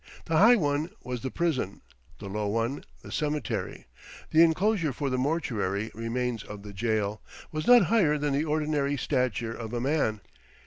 The high one was the prison; the low one, the cemetery the enclosure for the mortuary remains of the jail was not higher than the ordinary stature of a man.